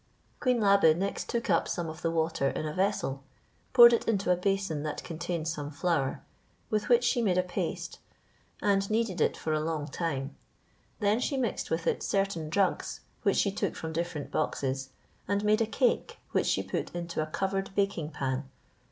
Queen Labe next took up some of the water in a vessel, poured it into a basin that contained some flour; with which she made a paste, and kneaded it for a long time: then she mixed with it certain drugs which she took from different boxes, and made a cake, which she put into a covered baking pan.